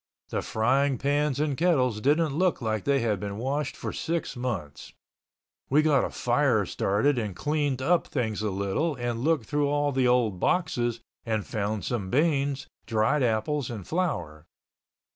The frying pans and kettles didn't look like they had been washed for six months. We got a fire started and cleaned up things a little and looked through all the old boxes and found some beans, dried apples and flour.